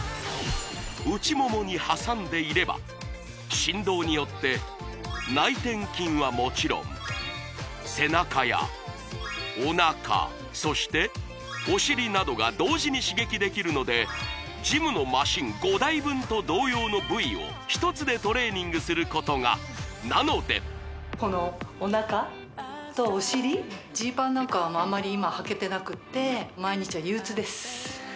内ももに挟んでいれば振動によって内転筋はもちろん背中やおなかそしてお尻などが同時に刺激できるのでジムのマシン５台分と同様の部位を１つでトレーニングすることがなのでこのおなか？とお尻ジーパンなんかはあんまり今はけてなくて毎日が憂鬱です